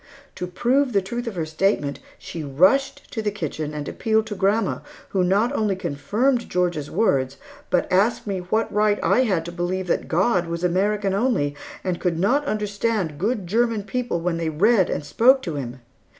To prove the truth of her statement, she rushed to the kitchen and appealed to grandma, who not only confirmed Georgia's words, but asked me what right I had to believe that God was American only, and could not understand good German people when they read and spoke to Him?